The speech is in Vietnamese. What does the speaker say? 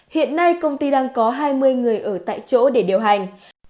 hiện nay công ty đang có hai mươi người ở tại chỗ để điều hành